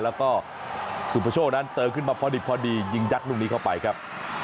แล้วก็สุภาโชคนั้นเติมขึ้นมาพอดิบพอดียิงยัดลูกนี้เข้าไปครับ